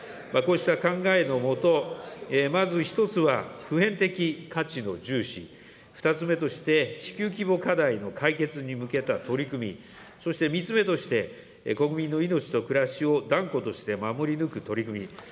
こうした考えの下、まず一つは普遍的価値の重視、２つ目として地球規模課題の解決に向けた取り組み、そして３つ目として、国民の命と暮らしを断固として守り抜く取り組み。